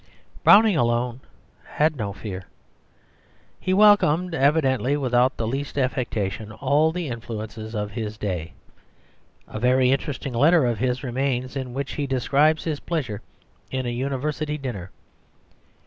Browning alone had no fear; he welcomed, evidently without the least affectation, all the influences of his day. A very interesting letter of his remains in which he describes his pleasure in a university dinner.